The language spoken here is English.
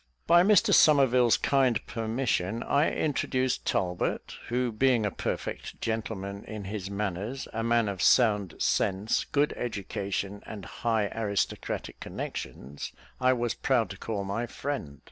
By Mr Somerville's kind permission, I introduced Talbot, who, being a perfect gentleman in his manners, a man of sound sense, good education, and high aristocratic connections, I was proud to call my friend.